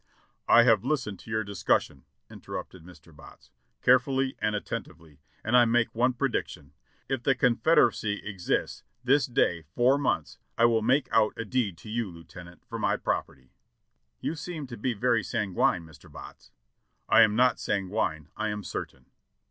"I have listened to your discussion," interrupted Mr. Botts, "carefully and attentively, and I make one prediction : If the Confederacy exists this day four months, I will make out a deed to you. Lieutenant, for my property." "You seem to be very sanguine, Mr. Botts." "I am not sanguine, I am certain."